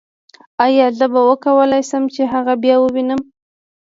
ایا زه به وکولای شم چې هغه بیا ووینم